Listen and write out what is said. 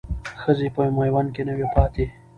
ښځې په میوند کې نه وې پاتې.